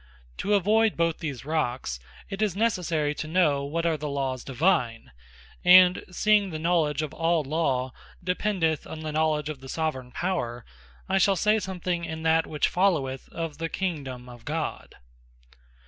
To avoyd both these Rocks, it is necessary to know what are the Lawes Divine. And seeing the knowledge of all Law, dependeth on the knowledge of the Soveraign Power; I shall say something in that which followeth, of the KINGDOME OF GOD.